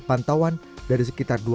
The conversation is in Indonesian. penyelidikan berita berita berita